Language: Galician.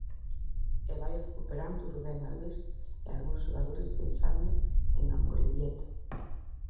E vai recuperando Rubén Albés a algúns xogadores pensando en Amorebieta.